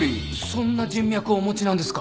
そんな人脈をお持ちなんですか？